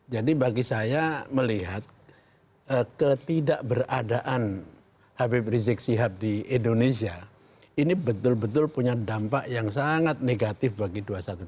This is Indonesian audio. bagi saya melihat ketidakberadaan habib rizik sihab di indonesia ini betul betul punya dampak yang sangat negatif bagi dua ratus dua belas